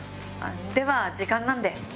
では時間なんで。